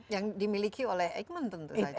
yang dimiliki oleh eijkman tentu saja